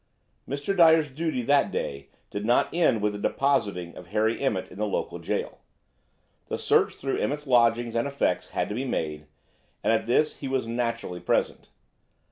'" Mr. Dyer's duty that day did not end with the depositing of Harry Emmett in the local jail. The search through Emmett's lodgings and effects had to be made, and at this he was naturally present.